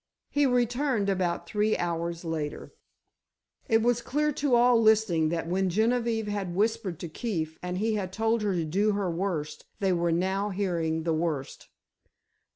He returned about three hours later." It was clear to all listening, that when Genevieve had whispered to Keefe and he had told her to do her worst, they were now hearing the "worst."